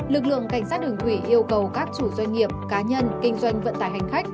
lực lượng cảnh sát đường thủy yêu cầu các chủ doanh nghiệp cá nhân kinh doanh vận tải hành khách